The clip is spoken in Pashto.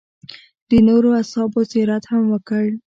د نورو اصحابو زیارت هم وکړ.